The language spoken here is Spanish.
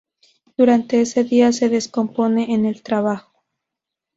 Durante ese día se descompone en el trabajo.